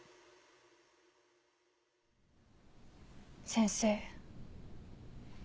先生。